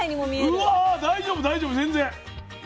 うわ大丈夫大丈夫全然。